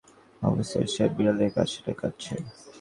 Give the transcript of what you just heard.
আফসার সাহেব শুনলেন বিড়ালের বাচ্চাটা কাঁদছে।